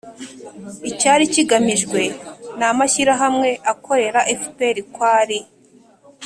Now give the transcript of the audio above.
icyari kigamijwe n'amashyirahamwe akorera fpr kwari